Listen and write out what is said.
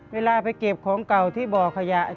เวลาไปเก็บของเก่าที่บ่อขยะ